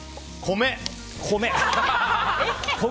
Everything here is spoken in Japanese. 米！